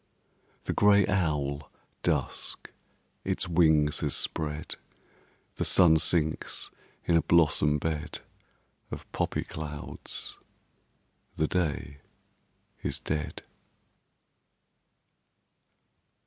The gray owl Dusk its wings has spread ; The sun sinks in a blossom bed Of poppy clouds ; the day is dead.